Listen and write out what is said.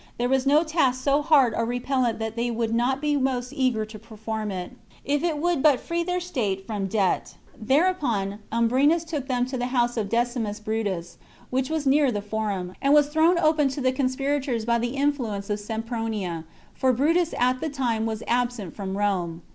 There was no task so hard or repellent that they would not be most eager to perform it, if it would but free their state from debt. Thereupon Umbrenus took them to the house of Decimus Brutus, which was near the Forum, and was thrown open to the conspirators by the influ ence of Sempronia, for Brutus at the time was absent from Rome.